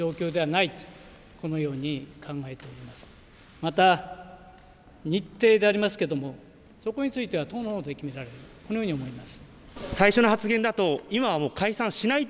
また日程でありますけれども、そこについては党のほうで決められると思います。